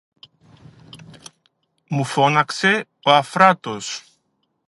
μου φώναξε ο Αφράτος